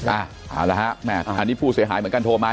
เอาละฮะแหมอันนี้ผูหวังเหลือเสียหายเหมือนกัน